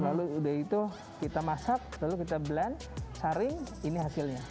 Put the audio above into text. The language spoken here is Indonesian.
lalu udah itu kita masak lalu kita blend saring ini hasilnya